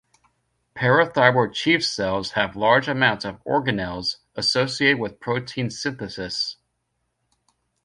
Parathyroid chief cells have large amounts of organelles associated with protein synthesis.